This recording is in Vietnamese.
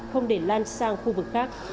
không để lan sang khu vực khác